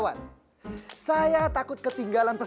enggak diangkat lagi